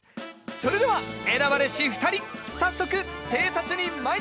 それでは選ばれし２人早速偵察に参りましょう！